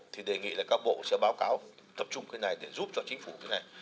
thì đề nghị là các bộ sẽ báo cáo tập trung cái này để giúp cho chính phủ cái này